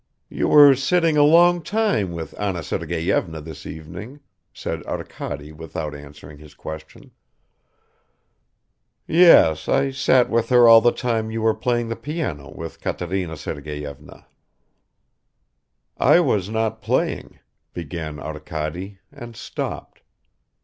"You were sitting a long time with Anna Sergeyevna this evening," said Arkady without answering his question. "Yes, I sat with her all the time you were playing the piano with Katerina Sergeyevna." "I was not playing ..." began Arkady and stopped.